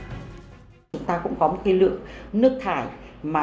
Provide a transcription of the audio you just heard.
do sử dụng nguồn nước ô nhiễm